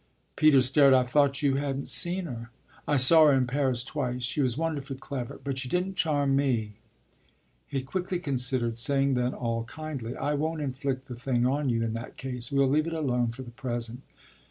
Peter stared. "I thought you hadn't seen her." "I saw her in Paris twice. She was wonderfully clever, but she didn't charm me." He quickly considered, saying then all kindly: "I won't inflict the thing on you in that case we'll leave it alone for the present."